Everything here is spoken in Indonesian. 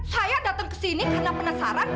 saya datang kesini karena penasaran